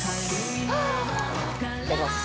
いただきます！